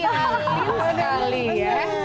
iya benar sekali ya